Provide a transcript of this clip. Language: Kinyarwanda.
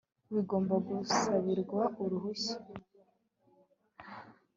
bigomba gusabirwa uruhushya